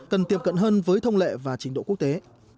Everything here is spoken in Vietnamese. cần tiệm cận hơn với thông lệ và trình độ quốc tế